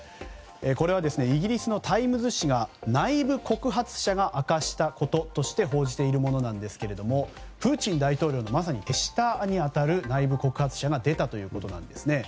これはイギリスのタイムズ紙が内部告発者が明かしたこととして報じているものなんですがプーチン大統領のまさに手下に当たる内部告発者が出たということなんです。